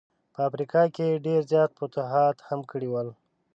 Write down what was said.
په افریقا کي یې ډېر زیات فتوحات هم کړي ول.